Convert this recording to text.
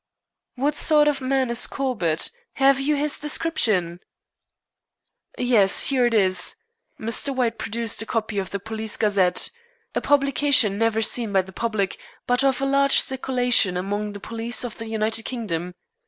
"What sort of man is Corbett? Have you his description?" "Yes. Here it is." Mr. White produced a copy of the Police Gazette, a publication never seen by the public, but of a large circulation among the police of the United Kingdom.